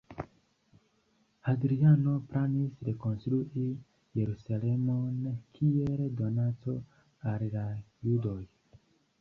Hadriano planis rekonstrui Jerusalemon kiel donaco al la Judoj.